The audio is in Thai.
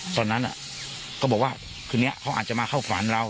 ตอนนั้นก็บอกว่าคืนนี้เขาอาจจะมาเข้าขวานเรา